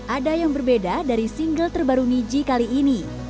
ada yang berbeda dari single terbaru niji kali ini